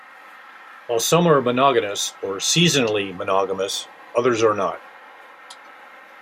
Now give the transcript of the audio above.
While some are monogamous or seasonally monogamous, others are not.